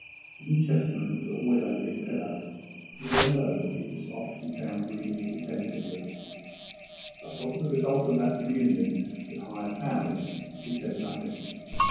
The New Testament was always under his pillow, and when alone he was often found reading it attentively, but of the result of that communion with higher powers he said nothing.